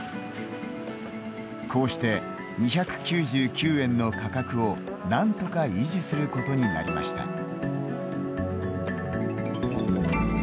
こうして、２９９円の価格をなんとか維持することになりました。